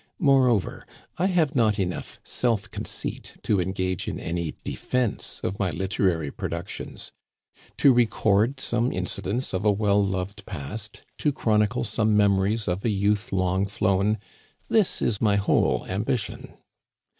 Moreover, I have not enough self conceit to engage in any defense of Digitized by VjOOQIC LEAVING COLLEGE. n my literary productions. To record some incidents of a well loved past, to chronicle some memoiies of a youth long flown — this is my whole ambition.